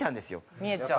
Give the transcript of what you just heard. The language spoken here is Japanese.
見えちゃう。